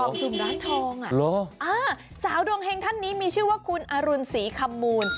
กลุ่มร้านทองอ่ะเหรอสาวดวงเฮงท่านนี้มีชื่อว่าคุณอรุณศรีคำมูล